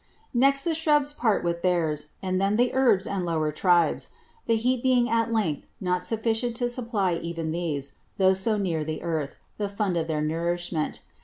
Next the Shrubs part with theirs; and then the Herbs and lower Tribes; the Heat being at length not sufficient to supply even these, though so near the Earth, the Fund of their Nourishment.